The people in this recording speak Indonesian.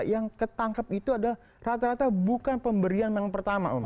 yang ketangkep itu adalah rata rata bukan pemberian yang pertama om